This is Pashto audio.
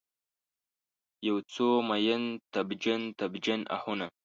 یوڅو میین، تبجن، تبجن آهونه